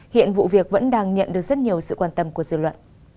hiện vụ việc vẫn đang nhận được rất nhiều sự quan tâm của dư luận